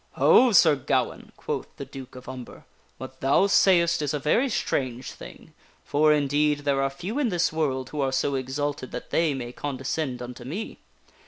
" Ho, Sir Gawaine !" quoth the Duke of Umber. " What thou sayest is a very strange thing, for, indeed, there are few in this world who are so exalted that they may condescend unto me.